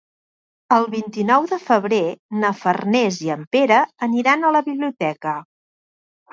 El vint-i-nou de febrer na Farners i en Pere aniran a la biblioteca.